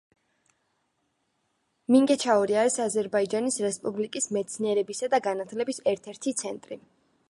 მინგეჩაური არის აზერბაიჯანის რესპუბლიკის მეცნიერებისა და განათლების ერთ-ერთი ცენტრი.